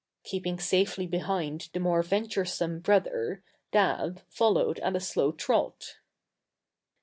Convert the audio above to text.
Keeping safely behind the more venturesome brother, Dab followed at a slow trot.